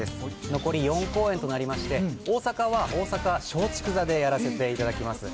残り４公演となりまして、大阪は大阪松竹座でやらせていただきます。